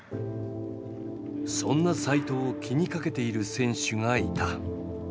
そんな齋藤を気にかけている選手がいた。